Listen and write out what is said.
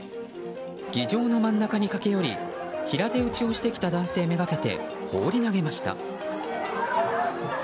議場の真ん中に駆け寄り平手打ちをしてきた男性めがけて放り投げました。